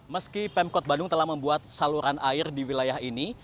meski pemkot bandung telah membuat saluran air di wilayah ini